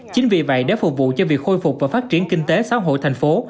chính vì vậy để phục vụ cho việc khôi phục và phát triển kinh tế xã hội thành phố